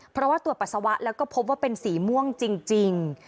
เพราะว่าตรวจปัสสาวะแล้วก็พบว่าเป็นสีม่วงจริง